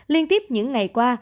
liên tiếp những ngày qua